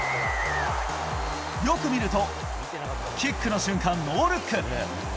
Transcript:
よく見ると、キックの瞬間、ノールック。